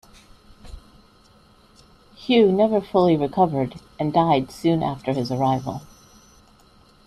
Hugh never fully recovered, and died soon after his arrival.